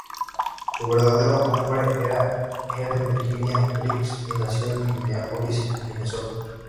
Su verdadero nombre era Helen Virginia Briggs, y nació en Minneapolis, Minnesota.